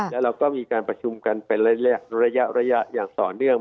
แล้วเราก็มีการประชุมกันเป็นระยะอย่างต่อเนื่อง